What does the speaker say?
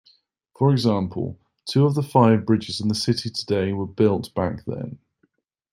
For example, two of the five bridges in the city today were built back then.